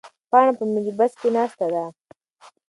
پاڼه په ملي بس کې ناسته ده.